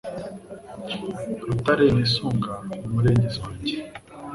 Rutare nisunga n’umurengezi wanjye